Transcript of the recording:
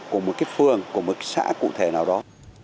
của một cái phường của một xã cụ thể nào đó